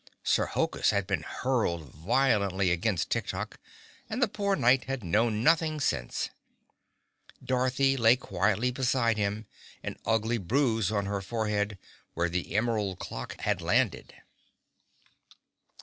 Sir Hokus had been hurled violently against Tik Tok and the poor Knight had known nothing since. Dorothy lay quietly beside him, an ugly bruise on her forehead, where the emerald clock had landed.